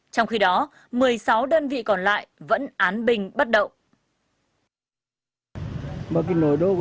trong khi đó một mươi sáu đơn vị còn lại vẫn án bình bắt động